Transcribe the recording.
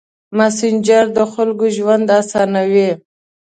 مسېنجر د خلکو ژوند اسانوي.